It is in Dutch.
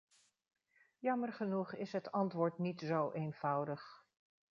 Jammer genoeg is het antwoord niet zo eenvoudig.